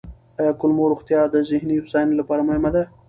آیا کولمو روغتیا د ذهني هوساینې لپاره مهمه ده؟